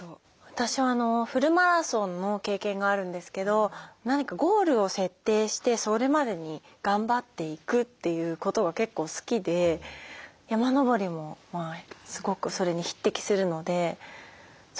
私はフルマラソンの経験があるんですけど何かゴールを設定してそれまでに頑張っていくということが結構好きで山登りもすごくそれに匹敵するのでそこから始めたのがそうですね